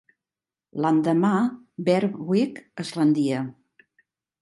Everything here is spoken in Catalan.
L'endemà, Berwick es rendia.